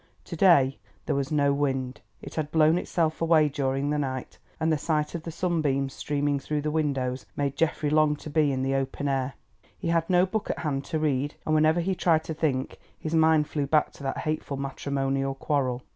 To day there was no wind, it had blown itself away during the night, and the sight of the sunbeams streaming through the windows made Geoffrey long to be in the open air. He had no book at hand to read, and whenever he tried to think his mind flew back to that hateful matrimonial quarrel.